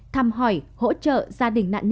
thăm hỏi hỗ trợ gia đình của hai cháu nhỏ